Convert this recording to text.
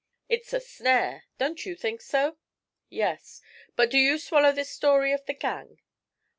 'It's a snare. Don't you think so?' 'Yes; but do you swallow this story of the gang?'